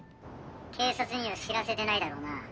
警察には知らせてないだろうな？